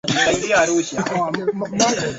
Rashid Suluhu Hassan ni kaka wa Rais Samia